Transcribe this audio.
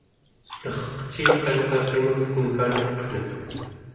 nerqeciqanka qimugtenka neqnek